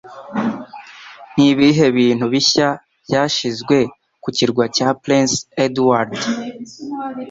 Nibihe bintu bishya byashyizwe ku kirwa cya Prince Edward?